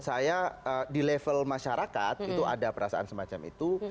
saya di level masyarakat itu ada perasaan semacam itu